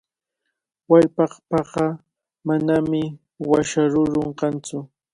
Wallpapaqa manami washa rurun kantsu.